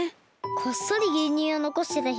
こっそりぎゅうにゅうをのこしてた姫。